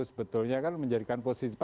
sebetulnya kan menjadikan posisi